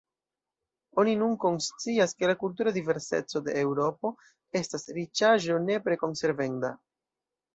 Oni nun konscias, ke la kultura diverseco de Eŭropo estas riĉaĵo nepre konservenda.